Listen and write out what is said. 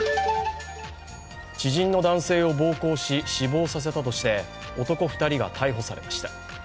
知人の男性を暴行し死亡させたとして男２人が逮捕されました。